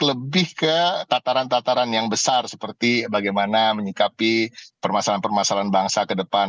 lebih ke tataran tataran yang besar seperti bagaimana menyikapi permasalahan permasalahan bangsa ke depan